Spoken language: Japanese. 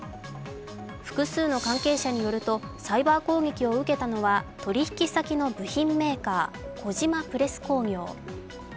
複数の関係者によるとサイバー攻撃を受けたのは取引先の部品メーカー、小島プレス工業。